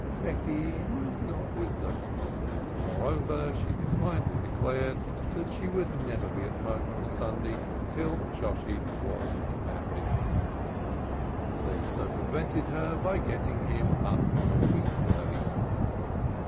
Becky was not with them; moreover she defiantly declared she would never be at home on a Sunday till Shosshi was married. They circumvented her by getting him up on a weekday.